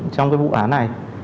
trong vụ án này